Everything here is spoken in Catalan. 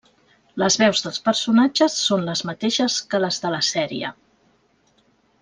Les veus dels personatges són les mateixes que les de la sèrie.